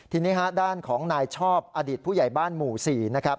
ทีนี้ฮะด้านของนายชอบอดีตผู้ใหญ่บ้านหมู่๔นะครับ